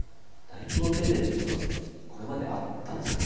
大規模停電っていうのはこれまであったんですか？